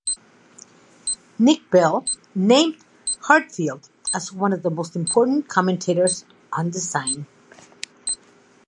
Nick Bell named Heartfield as "one of the most important commentators on design".